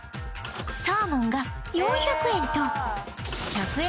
サーモンが４００円と１００円